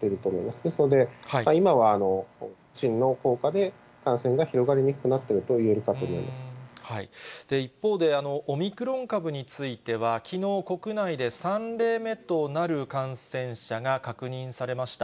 ですので、今はワクチンの効果で感染が広がりにくくなっていると一方で、オミクロン株については、きのう、国内で３例目となる感染者が確認されました。